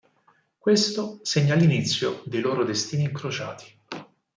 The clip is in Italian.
Questo segna l'inizio dei loro destini incrociati.